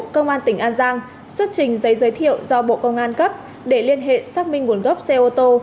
công an tỉnh an giang xuất trình giấy giới thiệu do bộ công an cấp để liên hệ xác minh nguồn gốc xe ô tô